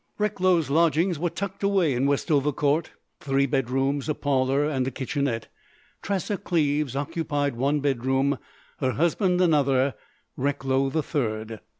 Recklow's lodgings were tucked away in Westover Court—three bedrooms, a parlour and a kitchenette. Tressa Cleves occupied one bedroom; her husband another; Recklow the third.